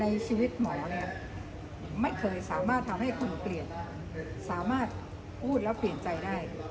ในชีวิตหมอเนี่ยไม่เคยสามารถทำให้คนเปลี่ยนสามารถพูดแล้วเปลี่ยนใจได้